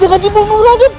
jangan dibunuh raden